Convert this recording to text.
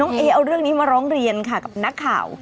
เอเอาเรื่องนี้มาร้องเรียนค่ะกับนักข่าว